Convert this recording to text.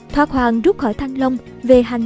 thoát hoàng rút khỏi thăng long về hành